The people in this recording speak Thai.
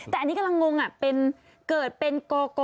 แต่อันนี้กำลังงงอ่ะคือเกิดเป็น